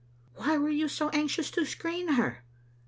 " Why were you so anxious to screen her?'